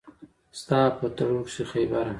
ستا په تړو کښې خېبره